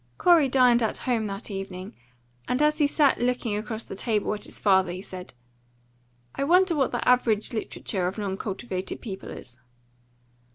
Corey dined at home that evening, and as he sat looking across the table at his father, he said, "I wonder what the average literature of non cultivated people is."